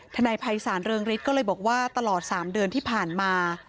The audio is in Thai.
นายภัยศาลเรืองฤทธิ์ก็เลยบอกว่าตลอด๓เดือนที่ผ่านมา